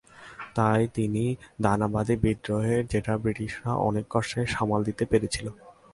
তাই দানা বাঁধে বিদ্রোহের, যেটা ব্রিটিশরা অনেক কষ্টে সামাল দিতে পেরেছিল।